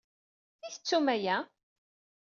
I tettum aya?